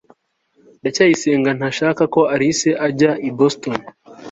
ndacyayisenga ntashaka ko alice ajya i boston